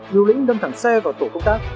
nhiều lĩnh đâm thẳng xe vào tổ công tác